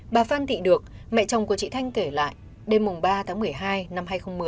bà phan thị được mẹ chồng của chị thanh kể lại đêm ba tháng một mươi hai năm hai nghìn một mươi